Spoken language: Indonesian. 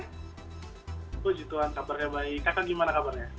puji tuhan kabarnya baik kakak gimana kabarnya